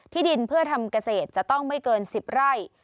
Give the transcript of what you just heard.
ดินเพื่อทำเกษตรจะต้องไม่เกิน๑๐ไร่